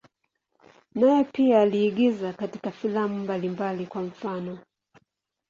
Naye pia aliigiza katika filamu mbalimbali, kwa mfano.